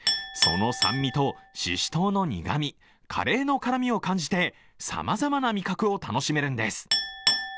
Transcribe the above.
その酸味とししとうの苦み、カレーの辛みを感じてさまざまな味覚を楽しめるんです。